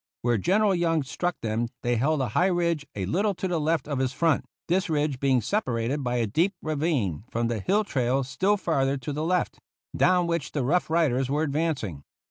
Where General Young struck them they held a high ridge a little to the left of his front, this ridge being separated by a deep ravine from the hill trail still farther to the left, down which the Rough Riders were advancing.